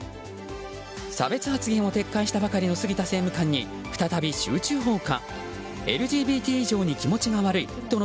差別発言を撤回したばかりの杉田政務官に再び集中砲火。